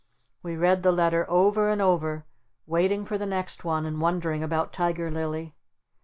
We read the letter over and over waiting for the next one and wondering about Tiger Lily.